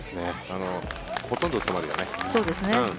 ほとんど止まるよね。